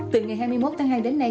từ ngày hai mươi một tháng hai đến nay